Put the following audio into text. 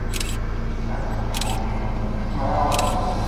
Ad tent-teḥwijeḍ ad kem-ɛawnent.